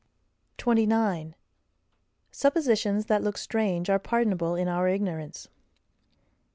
29. Suppositions that look strange are pardonable in our ignorance.